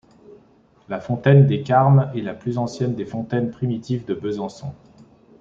La fontaine des Carmes est la plus ancienne des fontaines primitives de Besançon.